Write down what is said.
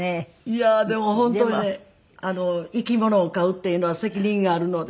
いやーでも本当にね生き物を飼うっていうのは責任あるので。